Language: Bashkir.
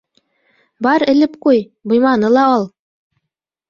— Бар элеп ҡуй, быйманы ла ал.